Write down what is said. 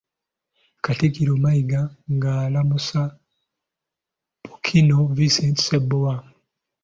Katikkiro Mayiga nga alamusa Ppookino Vincent Ssebbowa.